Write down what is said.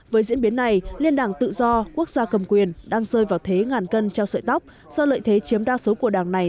với diễn biến này liên đảng tự do quốc gia cầm quyền đang rơi vào thế ngàn cân treo sợi tóc do lợi thế chiếm đa số của đảng này